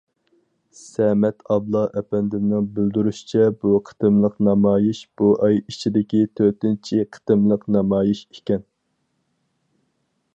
سەمەت ئابلا ئەپەندىمنىڭ بىلدۈرۈشىچە بۇ قېتىملىق نامايىش بۇ ئاي ئىچىدىكى تۆتىنچى قېتىملىق نامايىش ئىكەن.